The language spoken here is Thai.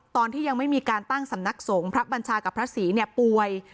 ตอนที่ยังไม่มีการตั้งสำนักสงฆ์พระบัญชากับพระศรีเนี่ยป่วย